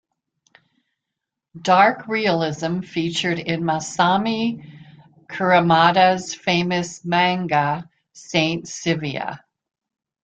Dark realism featured in Masami Kurumada's famous manga "Saint Seiya".